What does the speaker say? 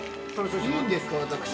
◆いいんですか、私。